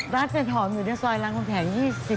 รสเป็นหอมอยู่ในซอยรังคมแถง๒๑